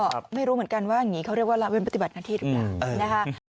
ก็ไม่รู้เหมือนกันว่าอย่างนี้เขาเรียกว่าละเว้นปฏิบัติหน้าที่หรือเปล่านะคะ